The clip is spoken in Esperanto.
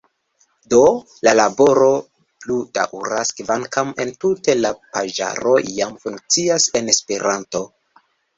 Do, la laboro plu daŭras, kvankam entute la paĝaro jam funkcias en Esperanto.